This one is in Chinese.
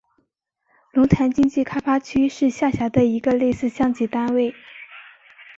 龙潭经济开发区是下辖的一个类似乡级单位。